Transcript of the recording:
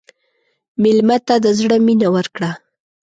مېلمه ته د زړه مینه ورکړه.